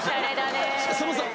さんまさん